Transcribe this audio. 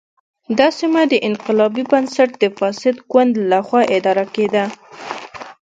دا سیمه د انقلابي بنسټ د فاسد ګوند له خوا اداره کېده.